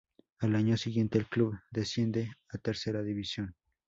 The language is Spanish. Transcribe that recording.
Al año siguiente, el club desciende a Tercera División.